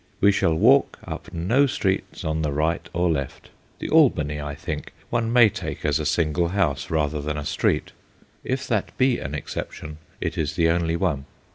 We shall walk up no streets on the right or left. The Albany, I think, one may take as a single house rather than a street : if that be an exception, it is the only one.